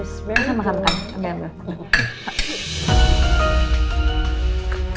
sekarang kamu makan bunch